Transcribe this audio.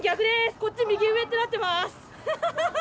こっち、右上ってなってます。